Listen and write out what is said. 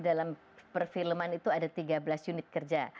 dalam perfilman itu ada tiga belas unit kerja